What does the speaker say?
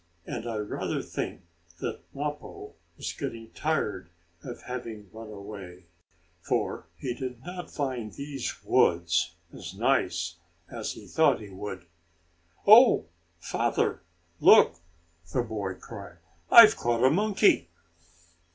And I rather think that Mappo was getting tired of having run away, for he did not find these woods as nice as he thought he would. "Oh, father, look!" the boy cried. "I've caught a monkey."